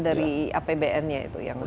dari apbn nya itu yang hal ini